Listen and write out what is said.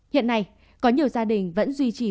hiện nay có nhiều gia đình vẫn duy trì